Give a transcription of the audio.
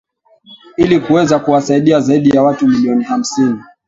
ili kuweza kuwasaidia zaidi ya watu milioni hamsini